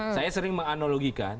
saya sering menganalogikan